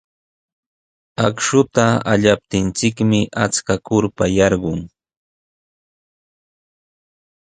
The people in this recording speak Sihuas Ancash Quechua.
Akshuta allaptinchikmi achka kurpa yarqun.